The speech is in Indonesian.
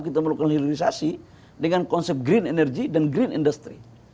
kita melakukan hilirisasi dengan konsep green energy dan green industry